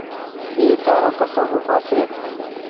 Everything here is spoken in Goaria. اي تآرو ڪسو ڦوڦآ ڇي